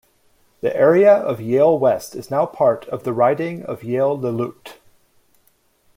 The area of Yale-West is now part of the riding of Yale-Lillooet.